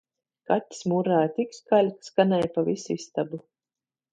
Kaķis murrāja tik skaļi, ka skanēja pa visu istabu